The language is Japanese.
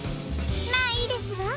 まあいいですわ。